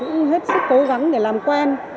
cũng hết sức cố gắng để làm quen